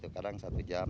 kadang satu jam